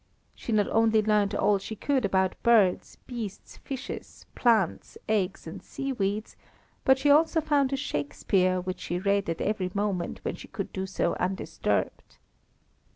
She not only learnt all she could about birds, beasts, fishes, plants, eggs and seaweeds, but she also found a Shakespeare which she read at every moment when she could do so undisturbed.